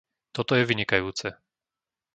Toto je vynikajúce.